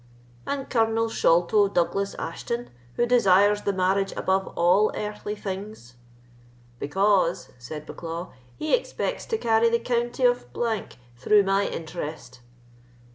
"And Colonel Sholto Douglas Ashton, who desires the marriage above all earthly things?" "Because," said Bucklaw, "he expects to carry the county of —— through my interest."